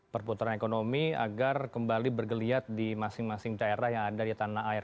perputaran ekonomi agar kembali bergeliat di masing masing daerah yang ada di tanah air